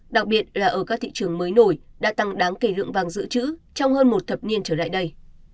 đặc biệt là ở các thị trường mới nổi đã tăng đáng kể lượng vàng dự trữ trong hơn một thập niên trở lại đây